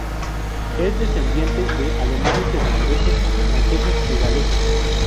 Es descendiente de alemanes, irlandeses, franceses y galeses.